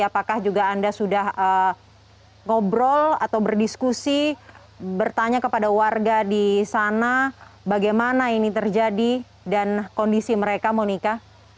apakah juga anda sudah ngobrol atau berdiskusi bertanya kepada warga di sana bagaimana ini terjadi dan kondisi mereka monika